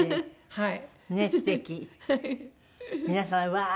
はい。